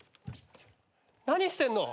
何してんの？